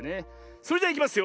それじゃいきますよ。